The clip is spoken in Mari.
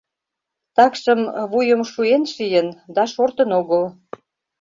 Такшым вуйым шуэн шийын да шортын огыл.